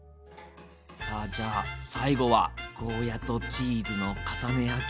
さあじゃあ最後はゴーヤーとチーズの重ね焼き。